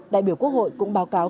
đại biểu quốc hội cũng báo cáo